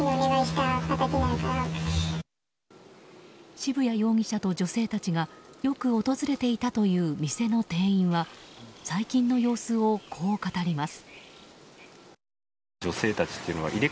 渋谷容疑者と女性たちがよく訪れていたという店の店員は最近の様子をこう語ります。